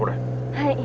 はい。